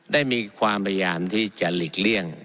ได้มีความพยายามที่จะหลีกเลี่ยง